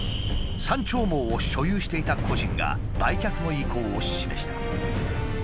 「山鳥毛」を所有していた個人が売却の意向を示した。